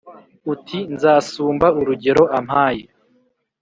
Uti : nzasumba urugero ampaye.